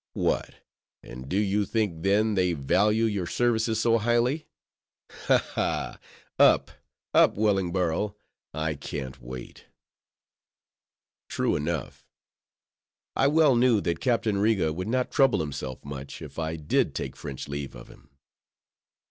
"What! and do you think, then, they value your services so highly? Ha! ha! Up, up, Wellingborough: I can't wait." True enough. I well knew that Captain Riga would not trouble himself much, if I did take French leave of him.